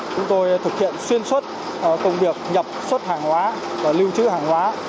chúng tôi thực hiện xuyên suốt công việc nhập xuất hàng hóa và lưu trữ hàng hóa